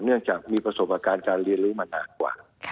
เนื่องจากมีประสบการณ์การเรียนรู้มานานกว่า